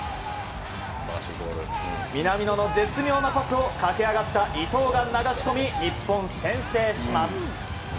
南野の絶妙なパスを駆け上がった伊東が流し込み日本、先制します。